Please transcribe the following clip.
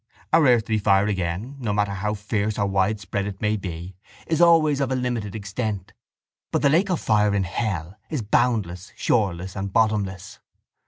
—Our earthly fire again, no matter how fierce or widespread it may be, is always of a limited extent: but the lake of fire in hell is boundless, shoreless and bottomless.